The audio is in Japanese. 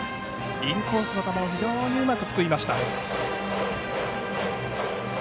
インコースの球を非常にうまくすくいました。